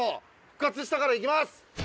復活したから行きます。